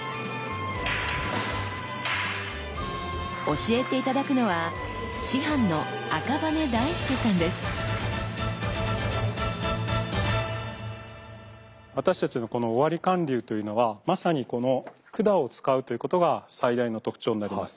教えて頂くのは私たちのこの尾張貫流というのはまさにこの管を使うということが最大の特徴になります。